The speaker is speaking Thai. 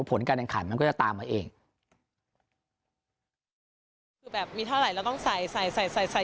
ผลการแข่งขันมันก็จะตามมาเองคือแบบมีเท่าไหร่เราต้องใส่ใส่ใส่ใส่ใส่